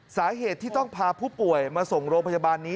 สาเหตุที่ต้องพาผู้ป่วยมาส่งโรงพยาบาลนี้